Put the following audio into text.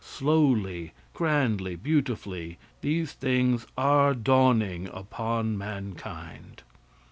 Slowly, grandly, beautifully, these truths are dawning upon mankind.